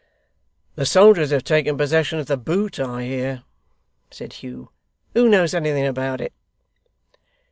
'The soldiers have taken possession of The Boot, I hear,' said Hugh. 'Who knows anything about it?